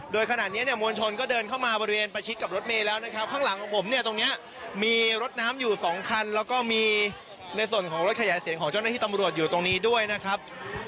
โดยขณะนี้เนี่ยมวลชนก็เดินเข้ามาบริเวณประชิดกับรถเมย์แล้วนะครับข้างหลังของผมเนี่ยตรงนี้มีรถน้ำอยู่สองคันแล้วก็มีในส่วนของรถขยายเสียงของเจ้าหน้าที่ตำรวจอยู่ตรงนี้ด้วยนะครับ